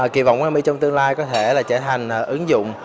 kỳ vọng của army trong tương lai có thể trở thành ứng dụng